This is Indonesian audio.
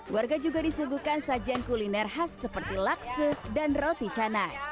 warga juga disuguhkan sajian kuliner khas seperti lakse dan roti canang